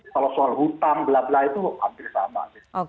kalau soal hutang blablabla itu hampir sama